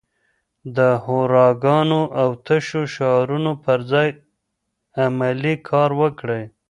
د هوراګانو او تشو شعارونو پر ځای عملي کار وکړئ.